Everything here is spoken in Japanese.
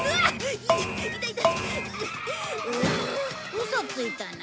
ウソついたな。